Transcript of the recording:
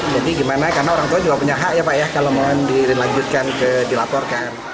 jadi gimana karena orang tua juga punya hak ya pak ya kalau mau dilaporkan